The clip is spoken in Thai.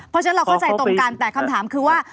เพราะฉะนั้นเราเข้าใจตรงกันแต่คำถามคือว่า